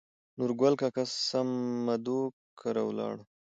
نورګل کاکا سمدو کره ولاړو.